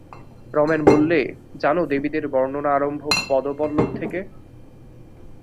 রমেন বললে, জান দেবীদের বর্ণনা আরম্ভ পদপল্লব থেকে?